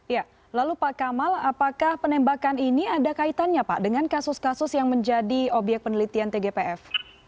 ya lalu pak kamal apakah penembakan ini ada kaitannya pak dengan kasus kasus yang menjadi obyek penelitian tgpf